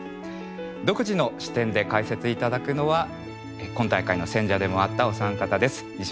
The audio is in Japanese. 独自の視点で解説頂くのは今大会の選者でもあったお三方です。